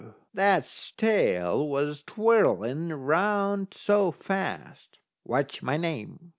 that's tail was twirling round so fast. "What's my name?"